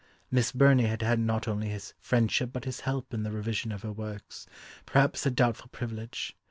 Miss Burney had had not only his friendship but his help in the revision of her works—perhaps a doubtful privilege.